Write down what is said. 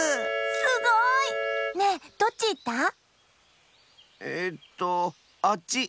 すごい！ねえどっちいった？ええっとあっち！